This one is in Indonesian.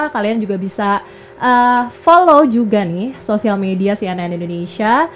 kalian juga bisa follow juga nih social media cnn indonesia